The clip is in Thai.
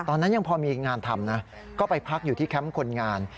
ตอนนั้นยังพอมีงานทำนะก็ไปพักอยู่ที่แคมป์คนงาน